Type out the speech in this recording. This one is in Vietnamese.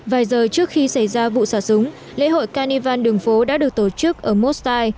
vài giờ trước khi xảy ra vụ xả súng lễ hội carnival đường phố đã được tổ chức ở mosai